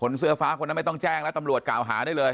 เสื้อฟ้าคนนั้นไม่ต้องแจ้งแล้วตำรวจกล่าวหาได้เลย